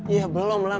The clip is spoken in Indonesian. ya belum lah